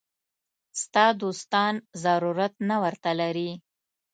ستا دوستان ضرورت نه ورته لري.